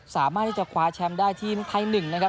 สามารถที่จะคว้าแชมป์ได้ทีมไทย๑นะครับ